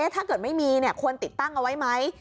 ถ้าเกิดไม่มีควรติดตั้งเอาไว้ไหม